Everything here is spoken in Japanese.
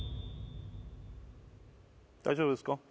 大丈夫ですか？